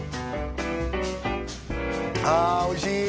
あおいしい！